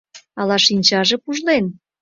Ала шинчаже пужлен?